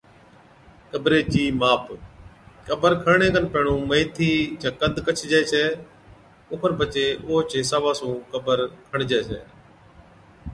قبري چِي ماپ، قبر کڻڻي کن پيھڻُون ميٿِي چا قد ڪڇجَي ڇَي اوکن پڇي اوھچ حصابا سُون قبر کڻجَي ڇَي